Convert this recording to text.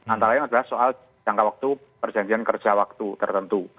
antara lain adalah soal jangka waktu perjanjian kerja waktu tertentu